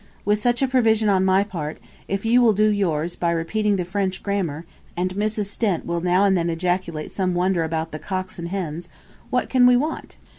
With such a provision on my part, if you will do yours by repeating the French Grammar, and Mrs. Stent {66b} will now and then ejaculate some wonder about the cocks and hens, what can we want?